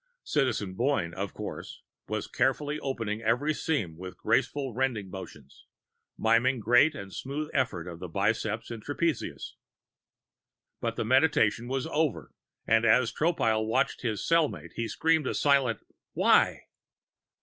Citizen Boyne, of course, was carefully opening every seam with graceful rending motions, miming great and smooth effort of the biceps and trapezius. But the meditation was over, and as Tropile watched his cellmate, he screamed a silent _Why?